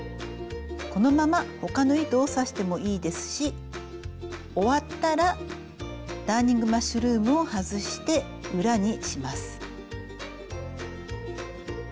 このまま他の糸を刺してもいいですし終わったらダーニングマッシュルームを外して裏にします。